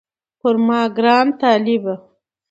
پر ما ګران طالبه